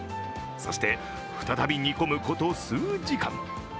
そして、再び煮込むこと数時間。